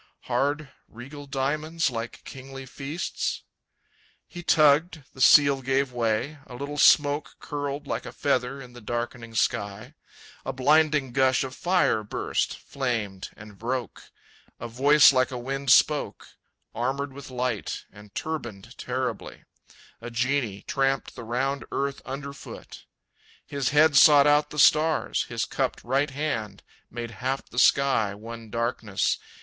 Hard, regal diamonds, like kingly feasts? He tugged; the seal gave way. A little smoke Curled like a feather in the darkening sky. A blinding gush of fire burst, flamed, and broke. A voice like a wind spoke. Armored with light, and turbaned terribly, A genie tramped the round earth underfoot; His head sought out the stars, his cupped right hand Made half the sky one darkness.